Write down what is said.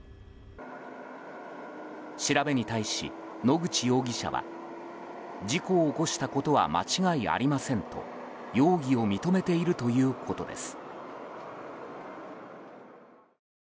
調べに対し、野口容疑者は事故を起こしたことは間違いありませんと容疑を認めているということです。